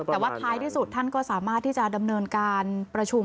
แต่ว่าท้ายที่สุดท่านก็สามารถที่จะดำเนินการประชุม